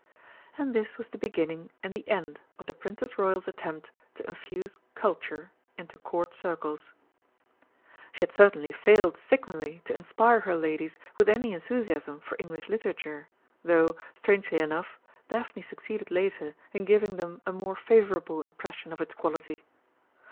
And this was the beginning and the end of the Princess Royal's attempt to infuse Culture into Court Circles. She had certainly failed signally to inspire her ladies with any enthusiasm for English Literature, though, strangely enough, Daphne succeeded later in giving them a more favourable impression of its quality.